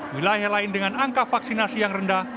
wilayah lain dengan angka vaksinasi yang rendah